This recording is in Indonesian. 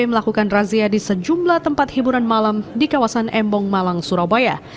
melakukan razia di sejumlah tempat hiburan malam di kawasan embong malang surabaya